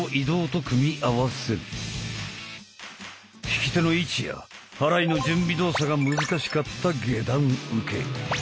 引き手の位置や払いの準備動作が難しかった下段受け。